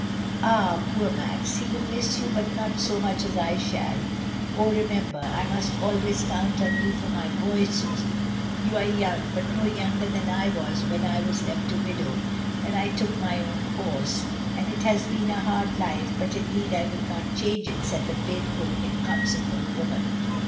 "Ah, poor Max! he will miss you, but not so much as I shall. Oh! remember, I must always count on you for my boys, Susy; you are young, but no younger than I was when I was left a widow, and I took my own course, and it has been a hard life, but indeed I would not change it," said the faithful inconsequent woman.